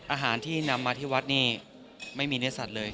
อาหารที่นำมาที่วัดนี่ไม่มีเนื้อสัตว์เลย